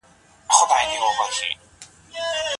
ښوونکی هڅه کوي چې زدهکوونکي خپل باور له لاسه ور نه کړي.